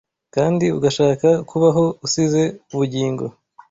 kandi ugashaka kubaho usize Bugingo